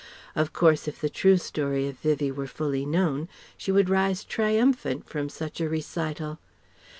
Of course if the true story of Vivie were fully known, she would rise triumphant from such a recital....